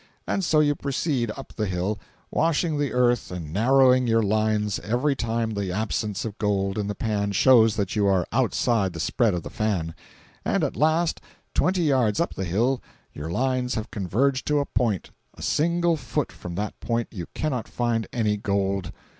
And so you proceed up the hill, washing the earth and narrowing your lines every time the absence of gold in the pan shows that you are outside the spread of the fan; and at last, twenty yards up the hill your lines have converged to a point—a single foot from that point you cannot find any gold.